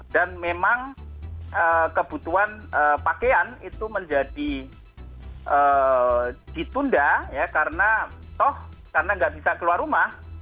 dan memang kebutuhan pakaian itu menjadi ditunda ya karena toh karena nggak bisa keluar rumah